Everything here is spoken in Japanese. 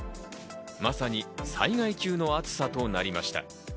まさに災害級の暑さとなりました。